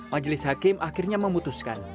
majelis hakim akhirnya memutuskan